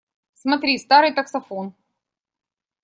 Смотри, старый таксофон!